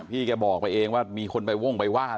พี่แกบอกไปเองว่ามีคนไปวงไปว่า